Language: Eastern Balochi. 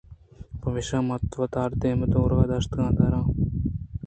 پمیشا من وتارا دائم دور داشتگ ءُ داراں